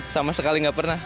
sama sekali tidak pernah